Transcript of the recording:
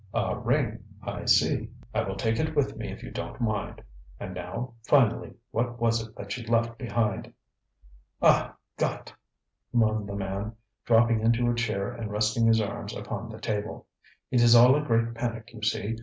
ŌĆ£A ring. I see. I will take it with me if you don't mind. And now, finally, what was it that she left behind? ŌĆØ ŌĆ£Ah, Gott! ŌĆØ moaned the man, dropping into a chair and resting his arms upon the table. ŌĆ£It is all a great panic, you see.